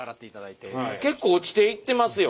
結構落ちていってますよ。